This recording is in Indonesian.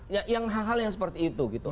nah hal hal yang seperti itu gitu